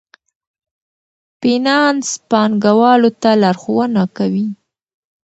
فینانس پانګوالو ته لارښوونه کوي.